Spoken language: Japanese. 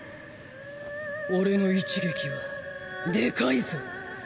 俺の一撃はでかいぞ。